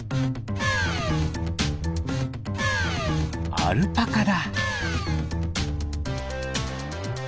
アルパカだ。